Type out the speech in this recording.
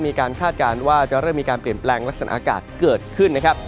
คาดการณ์ว่าจะเริ่มมีการเปลี่ยนแปลงลักษณะอากาศเกิดขึ้นนะครับ